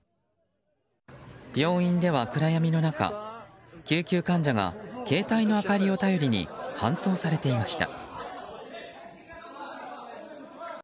病院では、暗闇の中救急患者が携帯の明かりを頼りに搬送されていました。